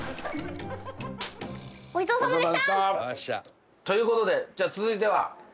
ごちそうさまでした！という事でじゃあ続いては。